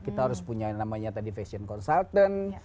kita harus punya yang namanya tadi fashion consultant